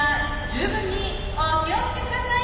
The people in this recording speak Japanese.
十分にお気をつけ下さい！